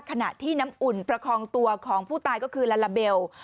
ขณะที่น้ำอุ่นประคองตัวของผู้ตายก็คือลาลาเบล